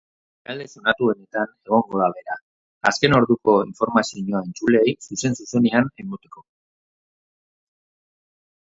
Jaialdi sonatuenetan egongo da bera, azken orduko informazioa entzuleei zuzen-zuzenean emateko.